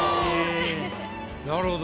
なるほど。